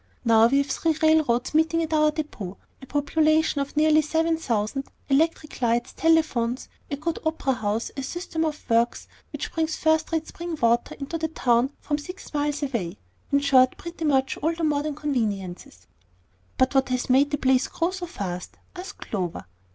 Now we have three railroads meeting at our depot, a population of nearly seven thousand, electric lights, telephones, a good opera house, a system of works which brings first rate spring water into the town from six miles away, in short, pretty much all the modern conveniences." "But what has made the place grow so fast?" asked Clover.